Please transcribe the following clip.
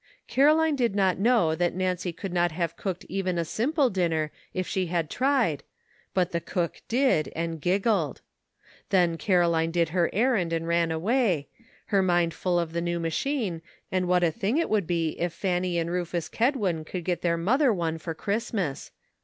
Caroline did not know that Nancy could not have cooked even a simple dinner if she had tried, but the cook did, and giggled. Then Caroline did her errand and ran away, her mind full of the new machine, and what a thing it would be if Fanny and Rufus Kedwin could get their mother one for Christmas.